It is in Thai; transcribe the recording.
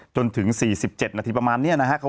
จนถึง๔๗นาทีประมาณเนี่ยนะฮะ